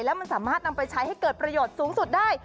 แล้วมันสามารถนำไปใช้ให้เกิดประโยชน์สูงสุดได้